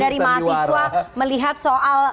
dari mahasiswa melihat soal